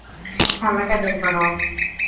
থালাটা বের কর।